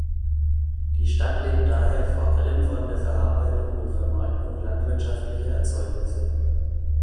Die Stadt lebt daher vor allem von der Verarbeitung und Vermarktung landwirtschaftlicher Erzeugnisse.